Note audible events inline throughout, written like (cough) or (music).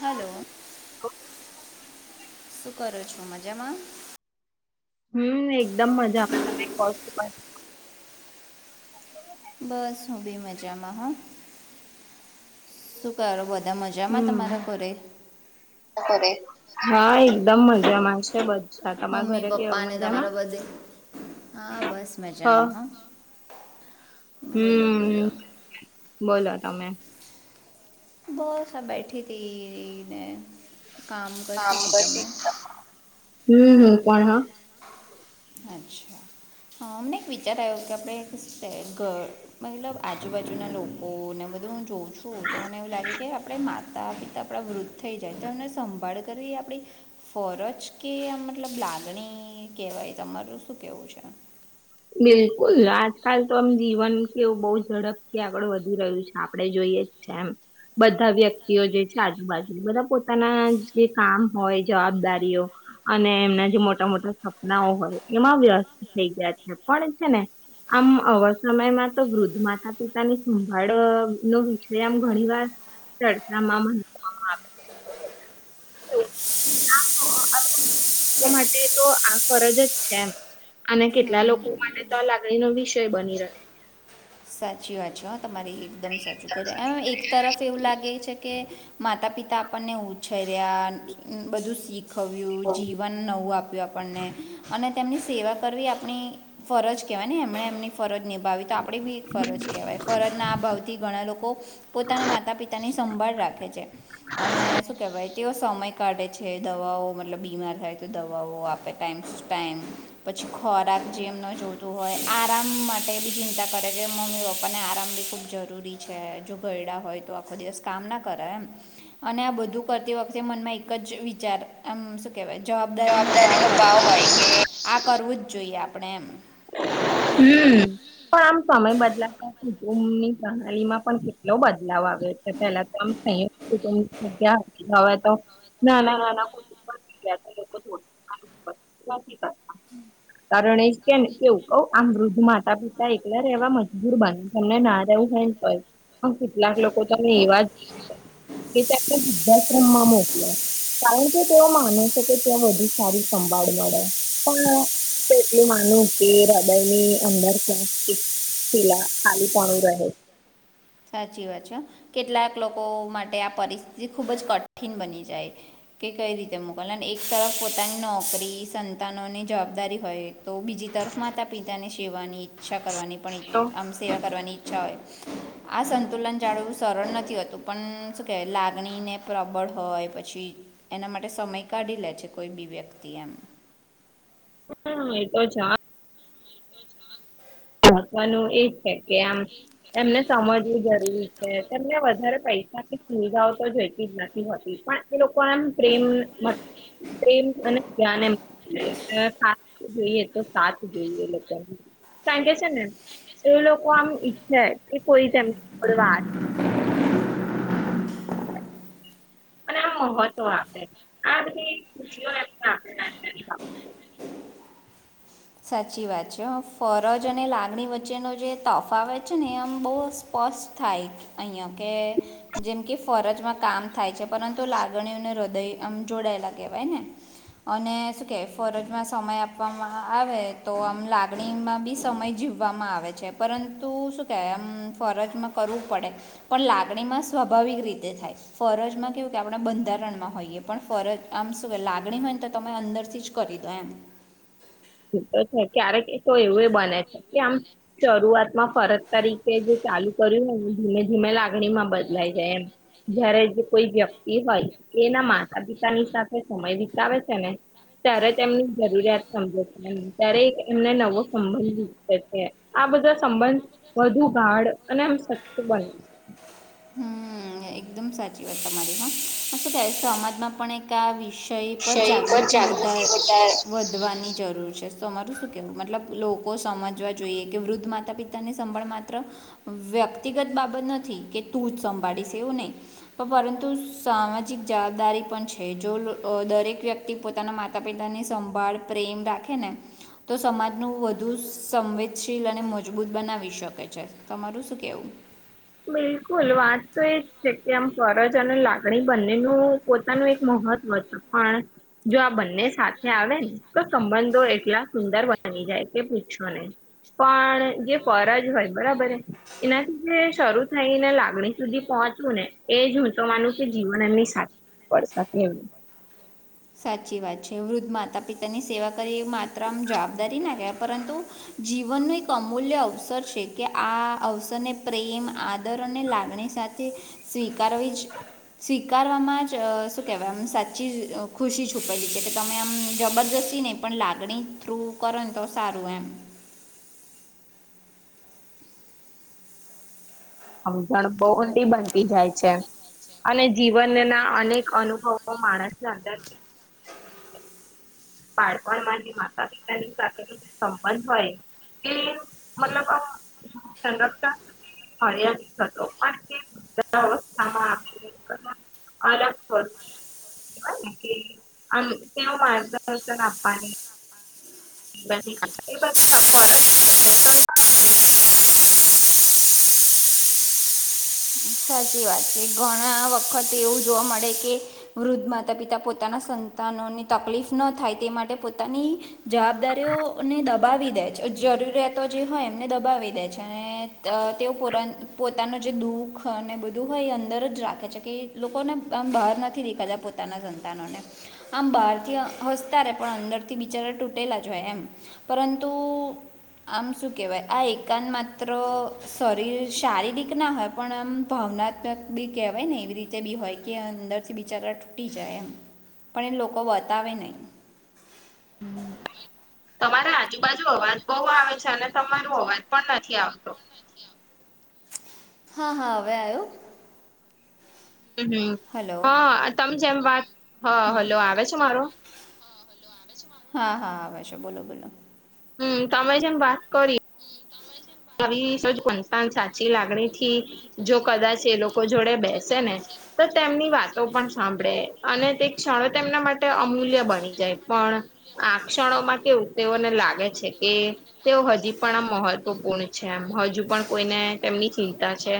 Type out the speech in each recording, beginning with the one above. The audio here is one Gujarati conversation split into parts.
હલો શું કરો છો મજામાં હમ એકદમ મજા આવે તમે બસ હું બી મજામાં હ શું કરો બધા મજામાં હમ તમારા કર કરે હા એકદમ મજામાંશે બધું મમ્મી પપ્પા અને તમારા બધે હા બસ હા મજામાં હ બોલો બોલ હમ બોલો તમે બહ આ બેઠી હતીને કામ કરતી હતીી તમે હમ હમ કોણ હ અચ્છા હા અમને એક વિચાર આવ્યો કે આપણે મતલબ આજુબાજુના લોકોને બધા હું જોઉં છું તો મને એવું લાગે કે આપડ માતા પિતા આપડા વૃદ્ધ થઈ જાય તો એમને સંભાળ કરી આપડી ફરજ કે આ મતલબ લાગણી કેહેવાય તમારું શું કેવું છે બિલકુલ આજકાલ તો આમ જીવન કે એવું બહુ ઝડપથી આગળ વધી રહ્યું છે આપડે જોઈએ જ છે એમ બધા વ્યક્તિઓ જે છે આજુબાજુ બધા પો પોતાના જે કામ હોય જવાબદારીઓ અને એમના જે મોટા મોટા સપનાઓ હોય એમાં વ્યસ્ત થઈ ગયા છે પણ છે ને આમ અવર સમયમાં તો વૃદ્ધ માતા પિતાની સંભાળ નો વિષય આમ ઘણી વાર ચડકામાં મનવામાં આવે એ માટે તો આ ફરજ જ છે એમ અને કેટલા હમ લોકો માટે તો આ લાગણી નો વિષય બની રહે સાચી વાત છે હા તમારી એકદમ સાચું કરે એ એક તરફ એવું લાગે છે કે માતા પિતા આપણને ઉછર રહ્યા બધું શીખ શીખવ્યું જીવન નવું આપ્યું આપણને અને તેમની સેવા કરવી આપણી ફરજ કહેવાય ને એમણે એમની ફરજ નિભાવી તો આપણે બી ફરજ કહેવાય ફરજ ના અ ભાવ થી ઘણા લોકો પોતાના માતા પિતાની સંભાળ રાખે છે અને શું કેવાય તેઓ સમય કાઢે છે દવાઓ મતલબ બીમાર થાય તો દવાઓ આપે ટાઈમ ટ ટાઈમ પછી ખોરાક જેમને જોતું હોય આરામ માટે બી ચિંતા કરે છે મમ્મી પપ્પાને આરામ બી ખૂબ જરૂરી છે જો ઘરડા હોય તો આખો દિવસ કામ ના કરે એમ અને આ બધું કરતી વખતે મનમાં એક જ વિચારમ કેવાય જવાબદારી ન ભાવ હોય કે આ કરવું જ જોઈએ આપણે એમ હમ પણ આમ સમય બદલાતા કુટુંબ ની પ્રહાલી માં પણ કેટલો બદલાવ આવે ટલે પેલા તોમની જગ્યા હવે તો ના ના ના ના કારણ એ કે કેવું કઉ આમ વૃદ્ધ માતા પિતા એકલા રહેવા મજદૂર બન તમને ના રહેવું હોય ને તો ય હ કેટલાક લોકો તને એવા જોયા છે કે તેમને વૃદ્ધા શ્રમમાં મોકલે. કારણ કે તેઓ માને છે કે ત્યાં વધુ સારી સંભાળ મળે પણ નું તે હૃદય ની અંદર પિલા ખાલી પાણું રહે રહે. સાચી વાત છે હ કેટલાક લોકો માટે આ પરિસ્થિતિ ખુબ જ કઠિન બની જાય કે કઈ રીતે મોકલ અન એક તરફ પોતાની નોકરી સંતાનોની જવાબદારી હોય તો બીજી તરફ માતા પિતા ની સેવાની ઈચ્છા કરવાની પણ તો આમ સેવા કરવાની ઈચ્છા હોય આ સંતુલન જાળવવું સરળ નથી હોતું પણ શું કહેવાય લાગણીને પ્રબળ હોય પછી એના માટે સમય કાઢી લે છે કોઈ બી વ્યક્તિ એમ હમ એતો છે હ રાકવાનું એજ છે કે આમ એમને સમજવું જરૂરી છે તેમને વધારે પૈસા કે સુવિધાઓ તો જોઈતી જ નથી હોતી પણ એ લોકો એમ પ્રેમ મત પ્રમ અને ધ્યાન એમ જોઈએ તો સાથ જોઈએ લોકોની કારણ કે છે ને એ લોકો આમ ઈચ્છે કે કોઈ તેમની જોડે વાત અને (inaudible) મહત્વ આપે આ બધી ખુશીઓ એમને આપે નાની નાની બાબતો. સાચી વાત છે ફરજ અને લાગણી વચ્ચેનો જે તોફાવ છે ને એ આમ બઉ સ્પ થાય અહીંયા કે જેમ કે ફરજમાં કામ થાય છે પરંતુ લાગણીઓને હદય આમ જોડાયેલા કેવાય ને અને શું કે ફરજમાં સમય આપવામાં આવે તો આમ લાગણીમાં બી સમય જીવવામાં આવે છે પરંતુ શું કેવાય એમ ફરજમાં કરવું પડે પણ લાગણીમાં સ્વાભાવિક રીતે થાય ફરજમાં કેવું કે આપણે બંધારણ માં હોઈયે પણ ફરજ આમ શું લાગણી હોય ને તો તમે અંદરથી જ કરી દો એમ. એ તો છે, ક્યારેક તો એવું બને છે કે આમ શરૂઆતમાં ફરજ તરીકે જે ચા ચાલુ કર્યું હોય ને, ધીમે ધીમે લાગણી માં બદલાઈ જાય એમ જયારે જે કોઈ વ્યક્તિ હોય, એના માતા-પિતાની સાથે સમય વિતાવે છે ને ત્યારે તેમની જરૂરિયાત સમજે. ત્યારે એક એમને નવો સંબંધ છે. આ બધા સંબંધ વધુ ગાઢ અને એમ સચ્ય બને. (unintelligible) હમ, એકદમ સાચી વાત તમારી હ, શું કેવાય સમાજમાં પણ એક આ વિષ વિષય પર જાગૃતિ વધાર વધવાની જરૂર છે, તમારું શું કેવું, મતલબ લોકો સમજવા જોઈએ કે વૃદ્ધ માતા- પિતાની સંભાળ માત્ર વ્યક્તિગત બાબત નથી કે તું જ સંભાળીશ એવું નહી, પરંતુ સામાજિક જવાબદારી પણ છે જો દરેક વ્યક્તિ પોતાના માતા-પિતાની સંભાળ પ્રેમ રાખે ને તો સમાજનું વધુ સંવેદશીલ અને મજબૂત બનાવી શકે છે, તમારું શું કહેવું? બિલકુલ, વાત તો એજ છે કે આમ ફરજ અને લાગણી બંનેનું પોતાનું એક મોહ મહત્વ પણ, જો આ બંને સાથે આવે ને, તો સંબંધો એટલા સુંદર બની જાય કે પૂછો નહીં, પણ જે ફરજ હોય બરાબર એનાથી જે શરૂ થઈ ને લાગણી સુધી પહોંચવું ને, એ જ હું તો માનું કે જીવન એમની સાથે પડતા એમ. સાચી વાત છે, વૃદ્ધ માતા-પિતાની સેવા કરી એ માત્ર આમ જવાબદારી ના કહેવાય, પરંતુ જીવનનું એક અમૂલ્ય અવસર છે કે, આ અવસરને પ્રેમ, આદર અને લાગણી સાથે સ્વીકારવી, જ સ્વીકારવામાં જ શું કહેવાય આમ સાચી જ ખુશી છુપયલી છે કે, તમે આમ જબરજસ્તી નહીં, પણ લાગણી થ્રુ કરો ને તો સારું એમ. (unintelligible) સમજણ બહુ ઊંડી બનતી જાય છે. અને જીવનના અનેક અનુભવો માણસની અંદર (inaudible) બાળપણમાં જે માતા-પિતાની સાથેનો જે સંબંધ હોય. ને મતલબ અ સંગતતા હનએ જ થતો અને (unintelligible) અવસ્થામાં આપ અલગ હોય અન તેઓ માર દર્શન આપાની. એ બધી ફરજો (unintelligible) સાચી વાત છે ઘણા વખત એવું જોવા મળે કે, વૃદ્ધ મા તા-પિતા પોતાના સંતાનોની તપલીફ ન થાય તે માટે પોતાની. જવાબદારીયો અને દબાવી દે છે જરૂરિયાતો જે હોય એમને દબાવી દે છે ને અ તેઓ પોતાન-પોતાનું જે દુઃખ. અને બધું હોય એ અંદર જ રાખે છે કે લોકોને આમ બહાર નથી દેખાતા પોતાના સંતાનોને. આમ બહારથી હસતા રે પણ અંદરથી બિચારા તૂટેલા જ હોય એમ, પરંતુ આમ શું કેવાય આ એકાંત માત્ર શરીર શારીરિક ના હોય પણ મ ભાવનાત્મક બી કેહેવાયને એવી રીતે બી હોય કે અંદરથી બિચારા તૂટી જાય એમ. પણ એ લોકો બતાવે નઈ. તમારા આજુ-બાજુ અવાજ બઉ આવે છે અને તમારો અવાજ પણ નથી આવતો. હા હા હવે આવ્યો? હમ હમ હલો હન તમ જેમ વાત હ હલો આવે છે મારો હા હા હા આવે છે બોલો બોલો. હમ તમે જેમ વાત કરી. આવી સેજ કતાન સાચી લાગણીથી, જો કદાચ એ લોકો જોડે બેસેને. તો તેમની વાતો પણ સાંભળે અને તે ક્ષણો તેમના માટે અમૂલ્ય બની જાય પણ આ ક્ષણોમાં કેવું તેઓને લાગે છે કે, તેઓ હજી પણ આ મહત્વપૂર્ણ છે એમ, હજુ પણ કોઈને તેમની ચિંતા છે,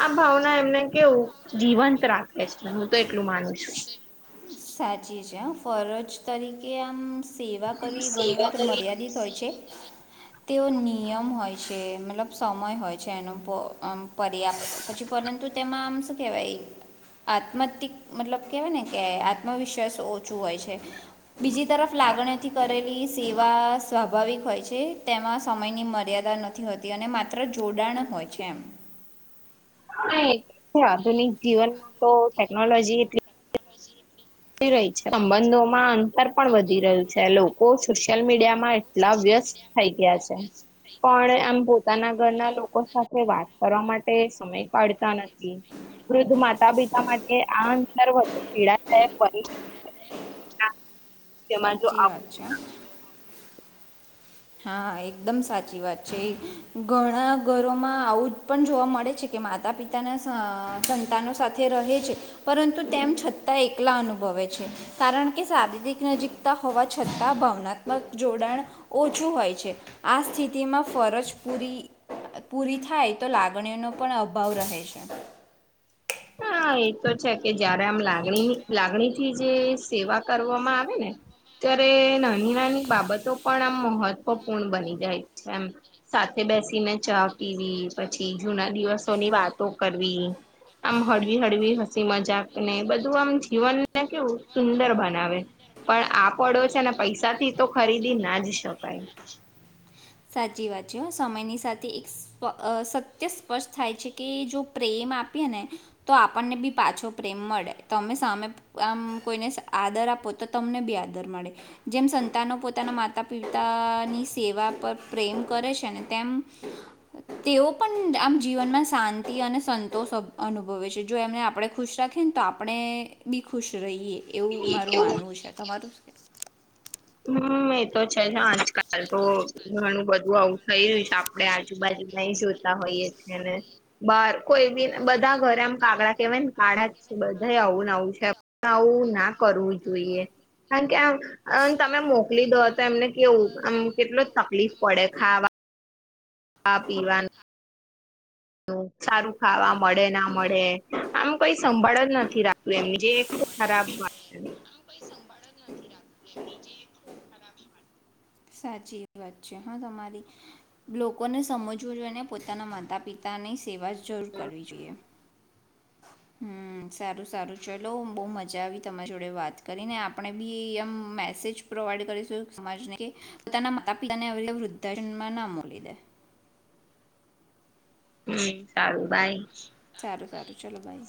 આ ભાવના એમને કેવું જીવન રાખે છે હું તો એટલું માનું છું. સાચી છે હ, ફરજ તરીકે આમ સેવા કરવી સેવા ઘણીવાર મર્યાદિત હોય છે. તેઓ નિયમ હોય છે મતલબ સમય હોય છે એનો પો અમ પર્યાપ્ત પછી પરંતુ તેમાં આમ શુ કેવાય. આત્માતિક મતલબ કેવાય ને કે આત્મવિશ્વાસ ઓછું હોય છે. બીજી તરફ લાગણીથી કરેલી સેવા સ્વાભાવિક હોય છે, તેમાં સમયની મર્યાદા નથી હોતી અને માત્ર જોડાણ હોય છે એમ. (inaudible) (unintelligible) આધુનિક જીવનમાં તો ટેકનોલોજી એટલી વધી રઈ છે. સંબંધોમાં અંતર પણ વધી રહ્યું છે. લોકો સોશિયલ મીડિયામાં એટલા વ્ય યસ્ત થઈ ગયા છે. પણ આમ પોતાના ઘરના લોકો સાથે વાત કરવા માટે સમય કાઢતા નથી. વૃદ્ધ માતા-પિતા માટે આ અંદર વધુ પીડાદાયક શકે જેમાં જો સાચી વાત છે હન. હા, એકદમ સાચી વાત છે. ઘણા ઘરોમાં આવું જ પણ જોવા મળે છે કે માતા-પિતાના સ-સંતાનો સાથે રહે છે, પરંતુ તેમ છતાં એકલા અનુભવ ભવે છે. કારણ કે, શરીરિક નજીકતા હોવા છતાં ભાવનાત્મક જોડાણ ઓછું હોય છે. આ સ્થિતિમાં ફરજ પૂરી પૂરી થાય તો લાગણીઓનો પણ અભાવ રહે છે. હા, એતો છે કે, જયારે આમ લાગણી, લાગણીથી જે સેવા કરવામાં આવે ને ત્યારે નાની-નાની બાબતો પણ આમ મહત્વપૂર્ણ બની જાય છે, એમ સાથે બેસીને ચા પીવી, પછી જૂના દિવસોની વાતો કરવી આમ હળવી હળવી હસી-મજાક ને બધું આમ જીવનને કેવું સુંદર બનાવે. પણ આ પડો છે ને, પૈસાથી તો ખરીદી ના જ શકાય. (unintelligible) સાચી વાત છે, સમયની સાથે એક સત્ય સ્પષ્ટ થાય છે કે, જો પ્રેમ આપ આપ ને તો આપણને બી પાછો પ્રેમ મળે, તમે સામે આમ કોઈને આદર આપ તો તમને બી આદર મળે, જેમ સંતાનો પોતાના માતા- પિતાની સેવા પર પ્રેમ કરે છે ને, તેમ તેઓ પણ આમ જીવનમાં શાંતિ અને સંતોષ અનુભવે છે, જો એમને આપણે ખુશ રાખીએ ને તો, આપણે બી ખુશ રહીએ, એવું મારું માનવું છે, તમારું. હમ્મ, એતો છે. આજકાલ તો ઘણું બધું આવું થઇ રહ્યું છે આપડે આજુબાજુ ઈ જોતા હોઈએ ને બહાર, કોઈ બી બધા ઘરે આમ કાગડા કેવાય ને કાડા બધા આવું નાવું છે, આવું ના કરવું જોઈએ, કારણ કે આ તમે મોકલી દો તો એમને, કેવું આમ કેટલો તકલીફ પડે ખાવા ખાવા-પીવાનું. સારું ખાવા મળે, ના મળે, આમ કઈ સંભાળ જ નથી રાખ્યું એમની જે ખરાબ વાત. સાચી વાત છે. હા, તમારી લોકોને સમજવું જોઈએ ને પોતાના માતા-પિતા ની સેવા જરૂર કરવી જોઈએ. હમ્મ, સારું સારું. ચાલો, બહુ મજા આવી તમારી જોડે વાત કરીને. આપણેે બી એમ મેસેજ પ્રોવાઈડ કરીશું સમાજને કે પોતાના માતા પિતાને હવે વૃદ્ધાશ્રમ ના મોકલી દે. હમ્મ, સારું બાય. સારું સારું ચાલો બાય.